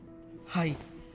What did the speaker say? はい。